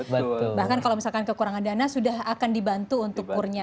bahkan kalau misalkan kekurangan dana sudah akan dibantu untuk kurnya